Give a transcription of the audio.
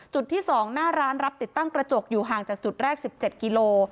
จุดที่๒หน้าร้านรับติดตั้งกระจกอยู่ห่างจากจุดแรก๑๗กิโล